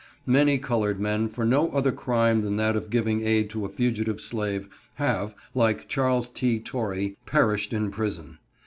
Many colored men, for no other crime than that of giving aid to a fugitive slave, have, like Charles T. Torrey, perished in prison.